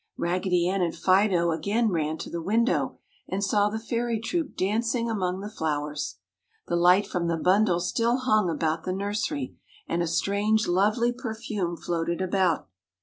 Raggedy Ann and Fido again ran to the window and saw the Fairy troop dancing among the flowers. The light from the bundle still hung about the nursery and a strange lovely perfume floated about.